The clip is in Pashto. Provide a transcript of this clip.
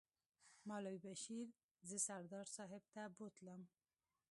مولوي بشیر زه سردار صاحب ته بوتلم.